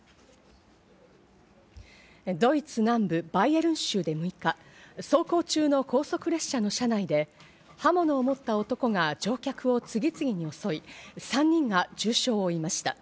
ドイツ南部バイエルン州で６日、走行中の高速列車の車内で刃物を持った男が乗客を次々に襲い、３人が重傷を負いました。